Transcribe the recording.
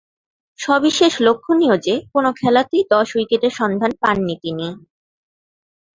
সবিশেষ লক্ষণীয় যে, কোন খেলাতেই দশ উইকেটের সন্ধান পাননি তিনি।